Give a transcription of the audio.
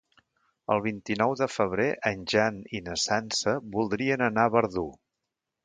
El vint-i-nou de febrer en Jan i na Sança voldrien anar a Verdú.